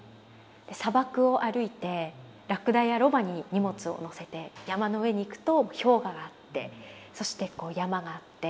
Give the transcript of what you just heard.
砂漠を歩いてラクダやロバに荷物を載せて山の上に行くと氷河があってそしてこう山があって。